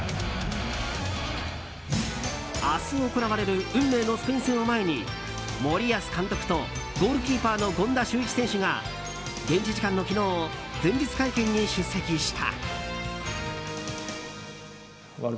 明日行われる運命のスペイン戦を前に森保監督とゴールキーパーの権田修一選手が現地時間の昨日前日会見に出席した。